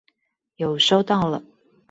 有收到了